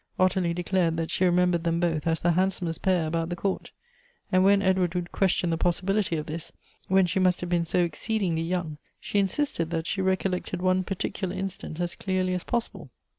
Ottilie de clared that she remembered them both as the handsomest pair about the court ; and when Edward would question the possibility of this, when she must have been so exceedingly young, she insisted that she recollected one particular incident as clearly as possible.